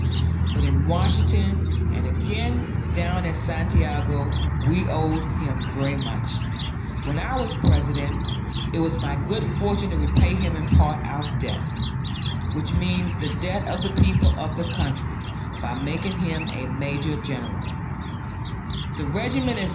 Both in Washington and again down at Santiago we owed him very much. When I was President, it was my good fortune to repay him in part our debt, which means the debt of the people of the country, by making him a major general.